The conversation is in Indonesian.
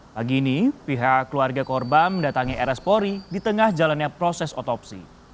pagi ini pihak keluarga korban mendatangi rs polri di tengah jalannya proses otopsi